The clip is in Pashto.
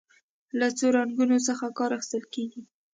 له څو رنګونو څخه کار اخیستل کیږي.